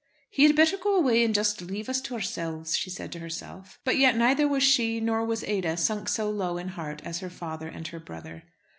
"He had better go away and just leave us to ourselves," she said to herself. But yet neither was she nor was Ada sunk so low in heart as her father and her brother.